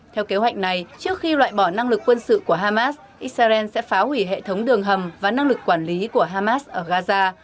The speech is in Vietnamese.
theo kế hoạch này trước khi loại bỏ năng lực quân sự của hamas israel sẽ phá hủy hệ thống đường hầm và năng lực quản lý của hamas ở gaza